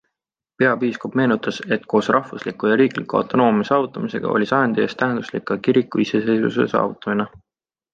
Peapiiskop meenutas, et koos rahvusliku ja riikliku autonoomia saavutamisega oli sajandi eest tähenduslik ka kirikliku iseseisvuse saavutamine.